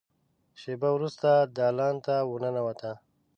شېبه وروسته دالان ته ور ننوته.